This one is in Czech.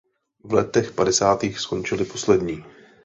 V letech padesátých skončili poslední.